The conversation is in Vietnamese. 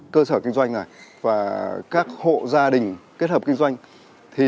cơ sở kinh doanh và các hộ gia đình kết hợp kinh doanh